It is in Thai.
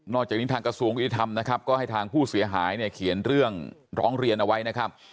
จากนี้ทางกระทรวงยุติธรรมนะครับก็ให้ทางผู้เสียหายเนี่ยเขียนเรื่องร้องเรียนเอาไว้นะครับ